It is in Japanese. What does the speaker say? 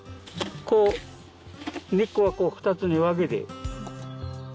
こう根っこが２つに分けて。